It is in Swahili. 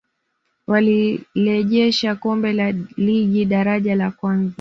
walilejesha kombe la ligi daraja la kwanza